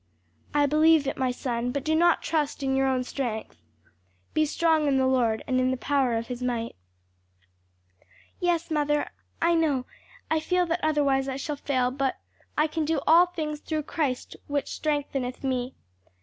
"I believe it, my son, but do not trust in your own strength. 'Be strong in the Lord, and in the power of his might.'" "Yes, mother, I know, I feel that otherwise I shall fail; but 'I can do all things through Christ which strengtheneth me.'